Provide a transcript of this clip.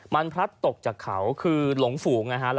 มันพลัดตกจากเขาคือหลงฝูงนะฮะ